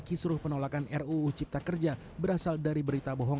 kisruh penolakan ruu cipta kerja berasal dari berita bohong